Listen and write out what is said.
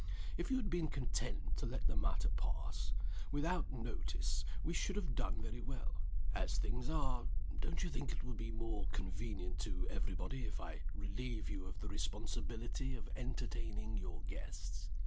If you had been content to let the matter pass without notice, we should have done very well. As things are, don't you think it will be more convenient to every body if I relieve you of the responsibility of entertaining your guests?"